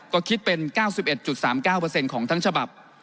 ก็คิดเป็น๙๑๓๙ของทั้งฉบับ